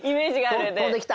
飛んできた！